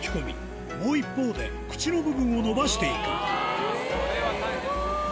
もう一方で口の部分をのばしていくこれは大変！